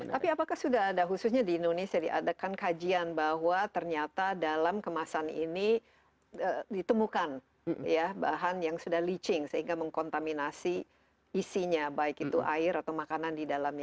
tapi apakah sudah ada khususnya di indonesia diadakan kajian bahwa ternyata dalam kemasan ini ditemukan bahan yang sudah leaching sehingga mengkontaminasi isinya baik itu air atau makanan di dalamnya